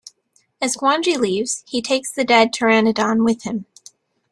As Gwangi leaves, he takes the dead Pteranodon with him.